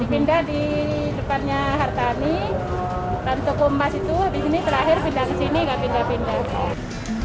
dipindah di depannya hartani lalu ke kumpas itu habis ini terakhir pindah ke sini nggak pindah pindah